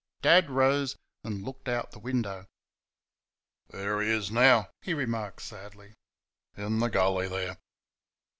Dad rose and looked out the window. "There he is now," he remarked sadly, "in the gully there."